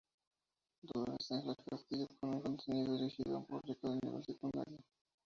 Dolores Angela Castillo, con un contenido dirigido a un público de nivel secundaria.